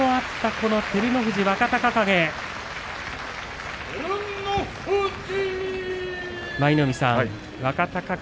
この照ノ富士若隆景。